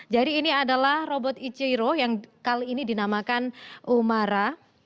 jadi ini adalah robot ichiro yang kali ini dinamakan umara